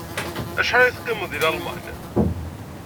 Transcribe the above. Acḥal ay teqqimeḍ deg Lalman?